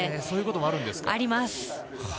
そういうこともあるんですね。